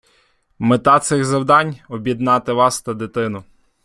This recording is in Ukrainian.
Мета цих завдань – об'єднати вас та дитину.